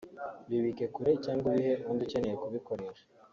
bibike kure cyangwa ubihe undi ukeneye kubikoresha